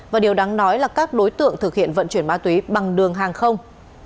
và điều đáng nói là các đối tượng thực hiện vận chuyển ma túy bằng đường hàng không